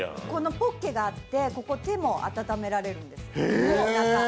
ポッケがあって手も温められるんですよ。